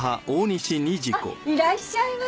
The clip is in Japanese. いらっしゃいませ。